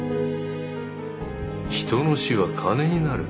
人の死は金になる。